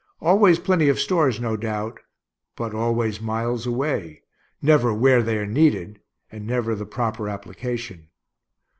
Always plenty of stores, no doubt, but always miles away; never where they are needed, and never the proper application.